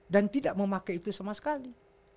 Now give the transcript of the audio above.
dan tidak memakai itu sama sekali